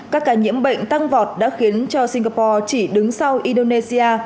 các ca nhiễm bệnh tăng vọt đã khiến cho singapore chỉ đứng sau indonesia